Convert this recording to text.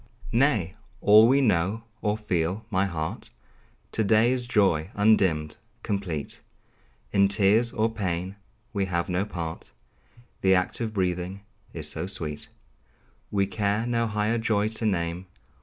Nay! all we know, or feel, my heart, To day is joy undimmed, complete; In tears or pain we have no part; The act of breathing is so sweet, We care no higher joy to name.